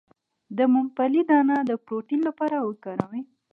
د ممپلی دانه د پروتین لپاره وکاروئ